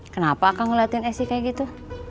kenapa akang ngeliatin esi kayak gitu